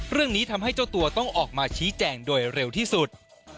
เรื่องนี้ทำให้เจ้าตัวต้องออกมาชี้แจงโดยเร็วที่สุด